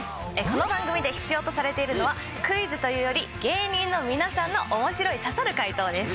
この番組で必要とされているのはクイズというより芸人の皆さんの面白い刺さる解答です。